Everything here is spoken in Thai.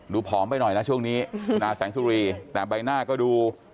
ผอมไปหน่อยนะช่วงนี้หน้าแสงสุรีแต่ใบหน้าก็ดู